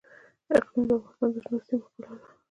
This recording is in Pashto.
اقلیم د افغانستان د شنو سیمو ښکلا ده.